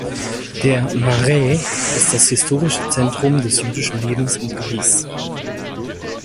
Der Marais ist das historische Zentrum des jüdischen Lebens in Paris.